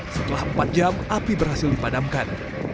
setelah empat jam api berhasil dipadamkan